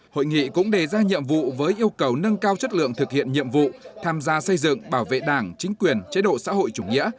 hội nghị cũng đề ra nhiệm vụ với yêu cầu nâng cao chất lượng thực hiện nhiệm vụ tham gia xây dựng bảo vệ đảng chính quyền chế độ xã hội chủ nghĩa